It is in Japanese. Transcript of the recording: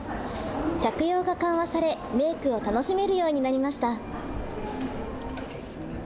着用が緩和されメークを楽しめるようになりました。